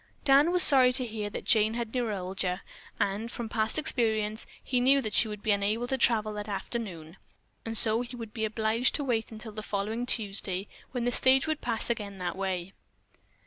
Dan was sorry to hear that Jane had neuralgia, and, from past experience, he knew that she would be unable to travel that afternoon, and so she would be obliged to wait until the following Tuesday, when the stage would again pass that way.